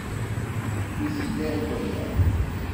Wi t-ilan waya?